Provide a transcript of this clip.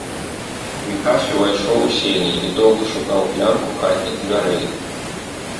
Міхась увайшоў у сені і доўга шукаў клямку хатніх дзвярэй.